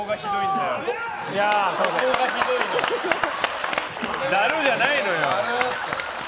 だる！じゃないのよ。